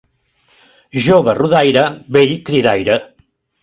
Jove rodaire, vell cridaire.